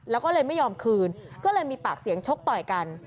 แล้วก็เลยไม่ยอมคืนก็เลยมีปากเสียงชกต่อยกัน